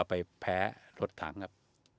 ไปแพ้รถถังครับ